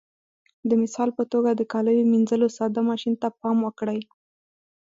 د مثال په توګه د کاليو منځلو ساده ماشین ته پام وکړئ.